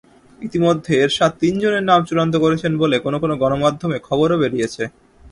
ইতিমধ্যে এরশাদ তিনজনের নাম চূড়ান্ত করেছেন বলে কোনো কোনো গণমাধ্যমে খবরও বেরিয়েছে।